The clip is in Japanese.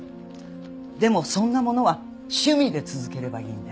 でもそんなものは趣味で続ければいいんです。